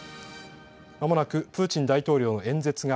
まもなくプーチン大統領の演説が